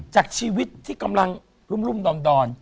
จากชีวิตที่กำลังรุ่มดอน